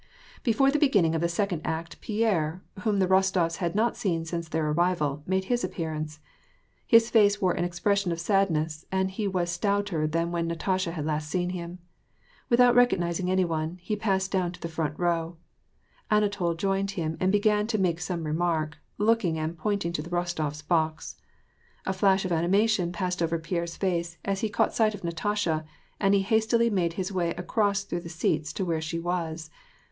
Before the beginning of the second act, Pierre, whom the Kostofs had not seen since their arrival, made his appearance. His face wore an expression of sadness, and he was stouter thau when Natasha had last seen him. Without recognizing any one, he passed down to the front row. Anatol joined him, and began to make some remark, looking and pointing to the Rostofs^ box. A flash of animation passed over Pierre's face as he caught sight of Natasha, and he hastily made his way across through the seats to where she was.